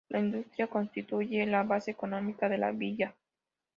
La industria constituye la base económica de la villa.